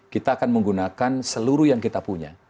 kita akan menggunakan seluruh yang kita punya